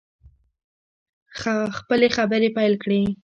خپلې خبرې پیل کړې.